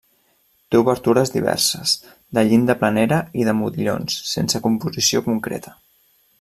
Té obertures diverses, de llinda planera i de modillons, sense composició concreta.